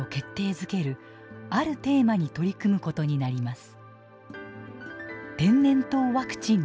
づけるあるテーマに取り組むことになります。